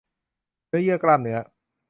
เนื้อเยื่อกล้ามเนื้อ